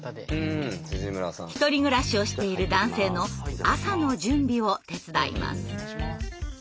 １人暮らしをしている男性の朝の準備を手伝います。